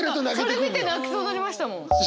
それ見て泣きそうになりましたもん！